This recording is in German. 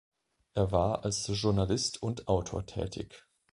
Er war als Journalist und Autor tätig.